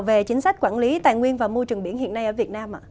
về chính sách quản lý tài nguyên và môi trường biển hiện nay ở việt nam ạ